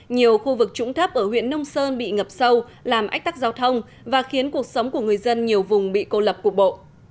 nhiều khu vực trũng thấp ở huyện nông sơn bị ngập sâu làm ách tắc giao thông và khiến cuộc sống của người dân nhiều vùng bị cô lập cục bộ